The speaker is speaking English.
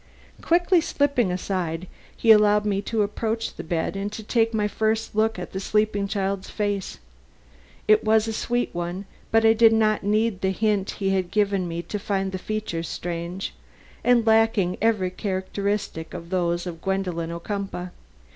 Quickly slipping aside, he allowed me to approach the bed and take my first look at the sleeping child's face. It was a sweet one but I did not need the hint he had given me to find the features strange, and lacking every characteristic of those of Gwendolen Ocumpaugh.